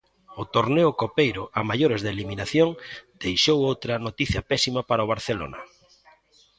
O torneo copeiro, a maiores da eliminación, deixou outra noticia pésima para o Barcelona.